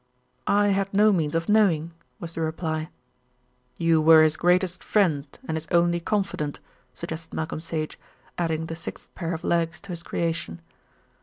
"I had no means of knowing," was the reply. "You were his greatest friend and his only confidant?" suggested Malcolm Sage, adding the sixth pair of legs to his creation.